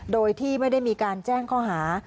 โดยที่ไม่ได้มีการแจ้งข้อหา